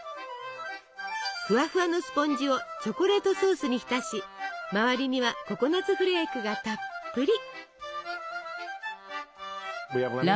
ふわふわのスポンジをチョコレートソースに浸し周りにはココナツフレークがたっぷり！